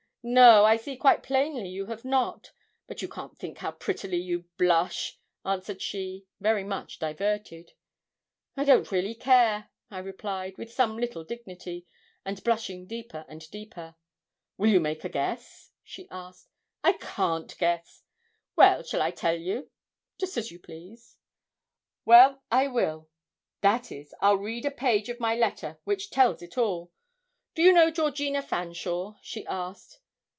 'No, I see quite plainly you have not; but you can't think how prettily you blush,' answered she, very much diverted. 'I really don't care,' I replied, with some little dignity, and blushing deeper and deeper. 'Will you make a guess?' she asked. 'I can't guess.' 'Well, shall I tell you?' 'Just as you please.' 'Well, I will that is, I'll read a page of my letter, which tells it all. Do you know Georgina Fanshawe?' she asked.